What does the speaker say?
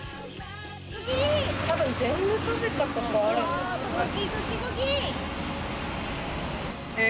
多分、全部食べたことあるんですよね。